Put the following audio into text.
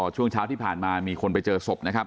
ช่วงเช้าที่ผ่านมามีคนไปเจอศพนะครับ